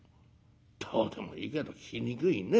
「どうでもいいけど聞きにくいね。